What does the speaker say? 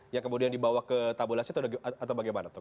yang kemudian dibawa ke tabulasi atau bagaimana